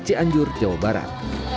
cianjur jawa barat